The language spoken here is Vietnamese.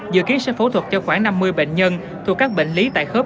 dự kiến sẽ phẫu thuật cho khoảng năm mươi bệnh nhân thuộc các bệnh lý tại khớp